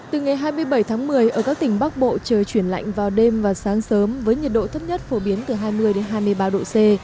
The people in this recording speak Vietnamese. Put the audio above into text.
từ ngày hai mươi bảy tháng một mươi ở các tỉnh bắc bộ trời chuyển lạnh vào đêm và sáng sớm với nhiệt độ thấp nhất phổ biến từ hai mươi hai mươi ba độ c